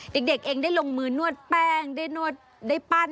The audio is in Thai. เด็กเองได้ลงมือนวดแป้งได้นวดได้ปั้น